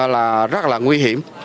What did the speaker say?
là rất là nguy hiểm